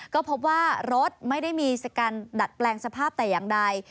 ก็พบว่ารถไม่ได้มีการดัดแปลงสภาพแต่อย่างใด